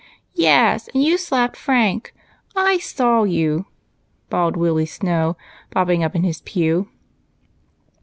" Yes, and you slapped Frank ; I saw you," bawled Willie Snow, bobbing up in his pew.